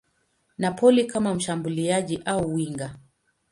Napoli kama mshambuliaji au winga.